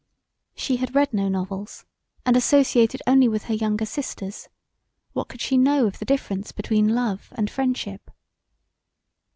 She had read no novels and associated only with her younger sisters, what could she know of the difference between love and friendship?